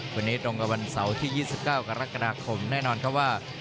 วันนี้ตรงกับวันเสาร์ที่๒๙กรกฎาคมแน่นอนครับว่า